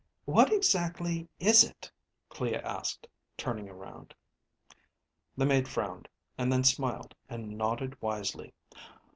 "What exactly is it?" Clea asked, turning around. The maid frowned, and then smiled and nodded wisely.